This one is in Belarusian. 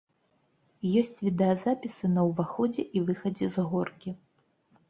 Ёсць відэазапісы на ўваходзе і выхадзе з горкі.